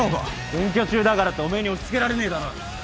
選挙中だからっておめえに押し付けられねえだろ。